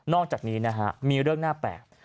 นอกจากนี้นะครับมีเรื่องแน่แปลก